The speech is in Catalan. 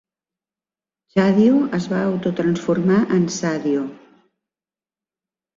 Tchadio es va auto-transformar en Sadio.